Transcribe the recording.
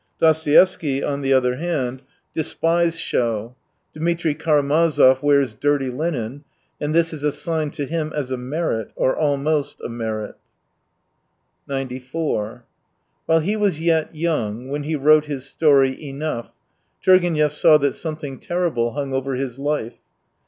Dostoevsky, on the other hand, despised 103 show : Dmitri Karamazov wears dirty linen — and this is assigned to him as a merit, or almost a merit. 94 While he was yet young, when he wrote his story, Enough, Turgenev saw that some thing terrible hung over his life.